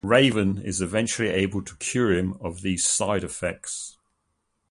Raven is eventually able to cure him of these side effects.